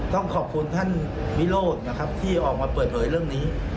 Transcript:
ต้องขอบคุณท่านวิโรธนะครับที่ออกมาเปิดเผยเรื่องนี้